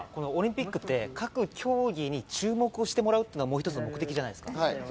オリンピックって各競技に注目してもらうことがもう一つの目的じゃないですか。